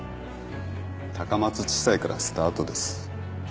高松地裁からスタートです。